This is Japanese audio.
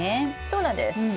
そうなんです。